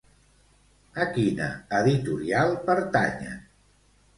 A quina editorial pertanyen?